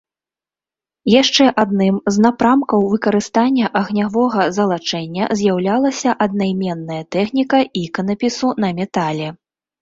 Яшчэ адным з напрамкаў выкарыстання агнявога залачэння з'яўлялася аднайменная тэхніка іканапісу на метале.